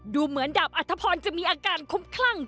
ดูเหมือนดาบอัธพรจะมีอาการคุ้มคลั่ง